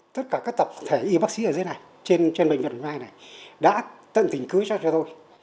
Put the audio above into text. tất cả các tập thể y bác sĩ ở dưới này trên bệnh viện hôm nay này đã tận tỉnh cưới cho tôi